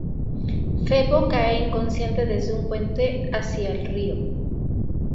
Febo cae inconsciente desde un puente hacia el río.